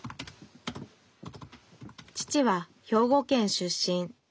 父は兵庫県出身。